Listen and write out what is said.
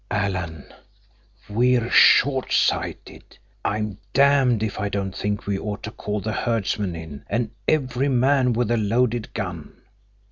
"Alan, we're short sighted. I'm damned if I don't think we ought to call the herdsmen in, and every man with a loaded gun!"